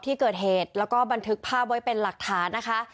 ที่เกิดเหตุแล้วก็บันทึกภาพไว้เป็นหลักฐานนะคะ